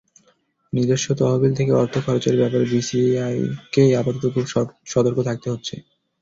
নিজস্ব তহবিল থেকে অর্থ খরচের ব্যাপারে বিসিসিআইকে আপাতত খুব সতর্ক থাকতে হচ্ছে।